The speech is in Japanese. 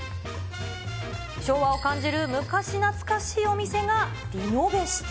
昭和を感じる昔懐かしいお店がリノベして。